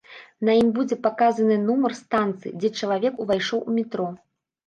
На ім будзе паказаны нумар станцыі, дзе чалавек увайшоў у метро.